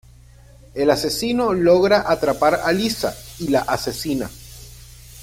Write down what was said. El asesino logra atrapar a Lisa, y la asesina.